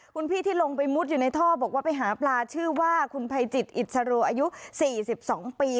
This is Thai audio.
คุณพี่ที่ลงไปมุดอยู่ในท่อบอกว่าไปหาปลาชื่อว่าคุณไพจิตอิสรูอายุสี่สิบสองหัว